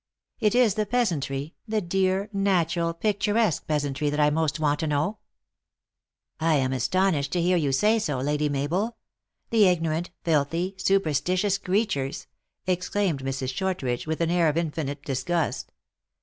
" It is the peasantry, the dear, natural, picturesque peasantry that I most want to know." 100 THE ACTRESS IN HIGH LIFE. " I am astonished to hear you say so, Lady Mabel. The ignorant, filthy, superstitions creatures !" ex claimed Mrs. Shortridge, with an air of infinite dis gust.